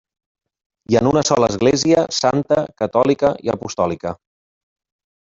I en una sola Església, santa, catòlica i apostòlica.